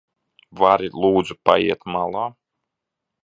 Vari lūdzu paiet malā?